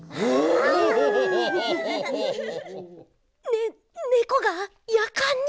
ねねこがやかんになった！